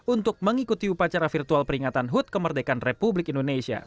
untuk mengikuti upacara virtual peringatan hud kemerdekaan republik indonesia